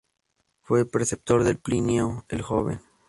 Fue preceptor de Plinio "El Joven".